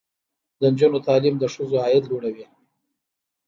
د نجونو تعلیم د ښځو عاید لوړوي.